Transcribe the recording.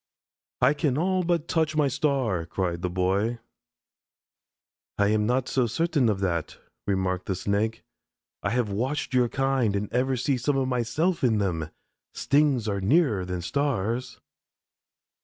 "I can all but touch my star," cried the Boy. "I am not so certain of that," remarked the Snake. "I have watched your kind and ever see some of myself in them. Stings are nearer than stars."